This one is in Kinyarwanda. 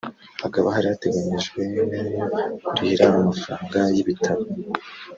Hakaba hari hateganijwe kurihira amafaranga y’ibitaro